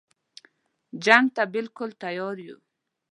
جنګ ته بالکل تیار یو.